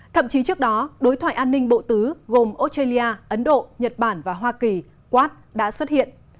thậm chí trước đó đối thoại an ninh bộ tứ gồm australia ấn độ nhật bản và hoa kỳ đã xuất hiện